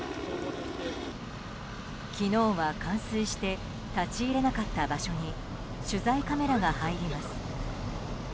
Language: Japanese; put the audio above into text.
昨日は冠水して立ち入れなかった場所に取材カメラが入ります。